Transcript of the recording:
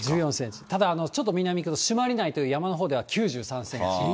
ただ、ちょっと南に行くと、朱鞠内という山のほうでは９３センチ。